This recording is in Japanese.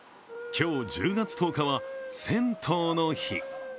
今日１０月１０日は１０１０の日。